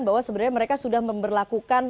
bahwa sebenarnya mereka sudah memperlakukan